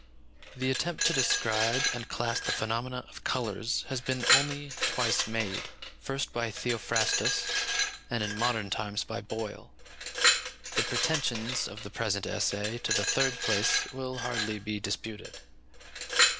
The attempt to describe and class the phenomena of colours has been only twice made: first by Theophrastus, and in modern times by Boyle. The pretensions of the present essay to the third place will hardly be disputed.